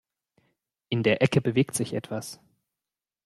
In der Ecke bewegt sich etwas.